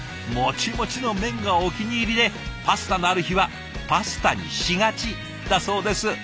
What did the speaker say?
もちもちの麺がお気に入りでパスタのある日はパスタにしがちだそうです。